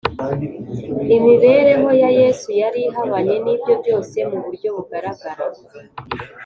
imibereho ya yesu yari ihabanye n’ibyo byose mu buryo bugaragara